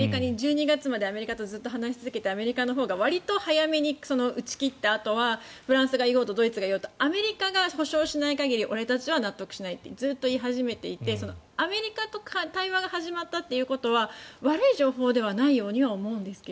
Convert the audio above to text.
１２月までずっとアメリカと話し続けてアメリカのほうがわりと早めに打ち切ったとはドイツが言おうとフランスが言おうとドイツがいようとアメリカが保障しない限り俺たちは納得しないと言い続けていてアメリカと対話が始まったということは悪い情報ではないようには思うんですが。